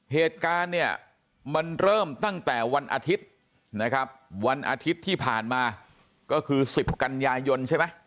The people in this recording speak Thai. เหตุการณ์เนี่ยมันเริ่มตั้งแต่วันอาทิตย์นะครับวันอาทิตย์ที่ผ่านมาก็คือ๑๐กันยายนใช่ไหม